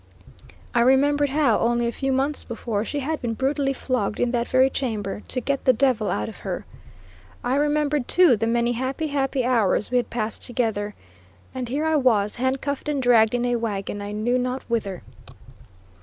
I remembered how, only a few months before, she had been brutally flogged in that very chamber, to "get the devil out of her." I remembered, too, the many happy, happy hours we had passed together. And here was I, handcuffed and dragged in a wagon, I knew not whither.